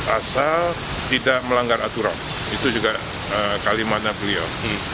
asal tidak melanggar aturan itu juga kalimatnya beliau